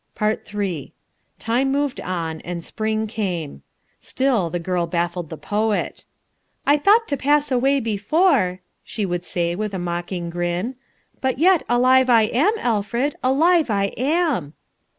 PART III Time moved on and spring came. Still the girl baffled the poet. "I thought to pass away before," she would say with a mocking grin, "but yet alive I am, Alfred, alive I am."